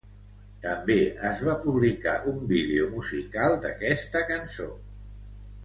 També es va publicar un vídeo musical d'aquesta cançó.